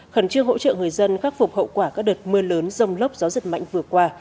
khẩn trương hỗ trợ người dân khắc phục hậu quả các đợt mưa lớn rông lốc gió giật mạnh vừa qua